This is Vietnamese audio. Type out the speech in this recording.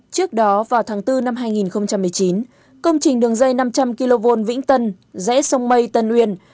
trước đó vào tháng bốn năm hai nghìn một mươi chín công trình đường dây năm trăm linh kv vĩnh tân rẽ sông mây tân uyên